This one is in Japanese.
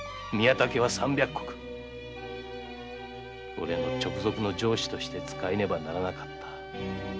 俺の直属の上司としてつかえねばならなかった。